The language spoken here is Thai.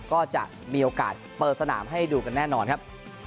ก็จะมีโอกาสเปิดสนามให้ดูกันแน่นอนครับ